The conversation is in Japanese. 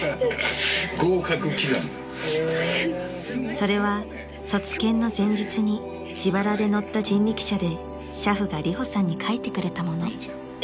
［それは卒検の前日に自腹で乗った人力車で俥夫がリホさんに書いてくれたもの］